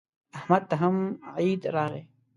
احمد ته هم عید راغی.